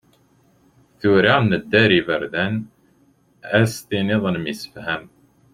Tura, nedda ar yiberdan, Ad as-tiniḍ nemsefham.